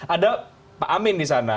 ada pak amin di sana